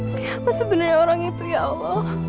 siapa sebenarnya orang itu ya allah